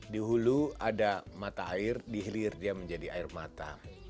di hulu ada mata air di hilir dia menjadi air mata